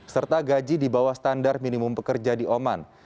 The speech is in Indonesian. serta gaji di bawah standar minimum pekerja di oman